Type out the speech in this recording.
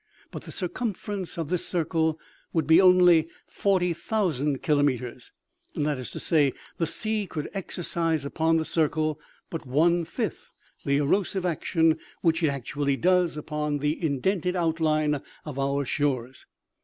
But the circumference of this circle would be only 40,000 kilometers ; that is to say, the sea could exercise upon the circle but one fifth the erosive action which it actually does upon the indented outline of our shores.